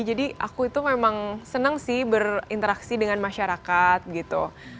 jadi aku itu memang senang sih berinteraksi dengan masyarakat gitu